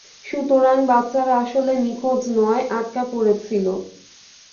সুতরাং, বাচ্চারা আসলে নিখোঁজ নয়, আটকা পড়েছিল।